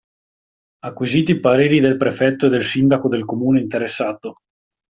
Acquisiti i pareri del prefetto e del sindaco del comune interessato.